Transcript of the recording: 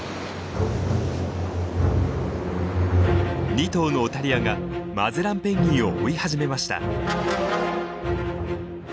２頭のオタリアがマゼランペンギンを追い始めました。